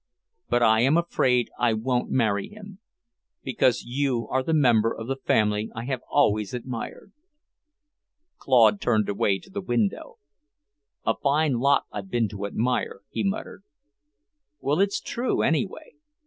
But I am afraid I won't marry him, because you are the member of the family I have always admired." Claude turned away to the window. "A fine lot I've been to admire," he muttered. "Well, it's true, anyway.